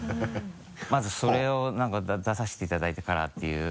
まずそれを何か出させていただいてからっていう。